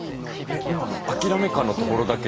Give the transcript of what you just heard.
今の諦め感のところだけあれ？